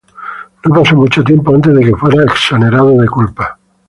No pasó mucho tiempo antes de que fuera exonerado de culpa.